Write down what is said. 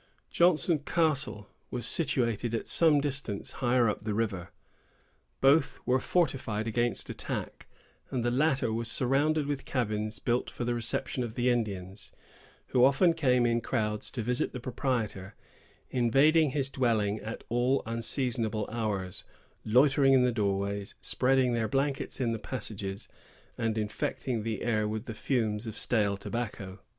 Johnson Castle was situated at some distance higher up the river. Both were fortified against attack, and the latter was surrounded with cabins built for the reception of the Indians, who often came in crowds to visit the proprietor, invading his dwelling at all unseasonable hours, loitering in the doorways, spreading their blankets in the passages, and infecting the air with the fumes of stale tobacco.